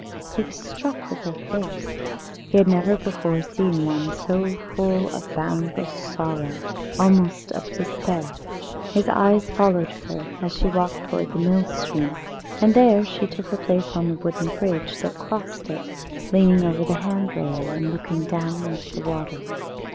He was struck with her face. He had never before seen one so full of boundless sorrow almost of despair. His eyes followed her as she walked towards the mill stream, and there she took her place on the wooden bridge that crossed it, leaning over the handrail, and looking down into the water.